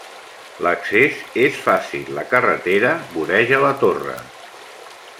L'accés és fàcil, la carretera voreja la torre.